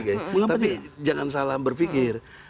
tapi jangan salah berpikir